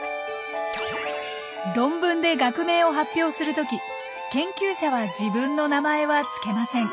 論文で学名を発表するとき研究者は自分の名前はつけません。